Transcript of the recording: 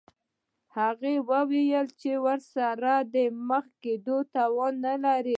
هغې وویل چې ورسره د مخامخ کېدو توان نلري